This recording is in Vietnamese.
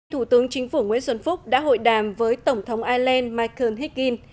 thủ tướng chính phủ nguyễn xuân phúc đã hội đàm với tổng thống ireland michael higgins